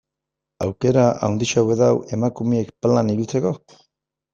Aukera handiagoa dago emakumeak palan ibiltzeko?